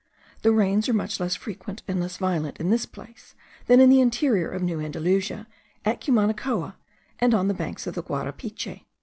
The rains are much less frequent and less violent in this place than in the interior of New Andalusia, at Cumanacoa, and on the banks of the Guarapiche.